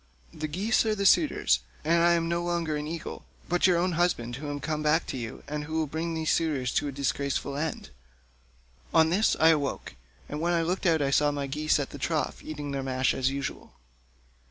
The geese are the suitors, and I am no longer an eagle, but your own husband, who am come back to you, and who will bring these suitors to a disgraceful end.' On this I woke, and when I looked out I saw my geese at the trough eating their mash as usual."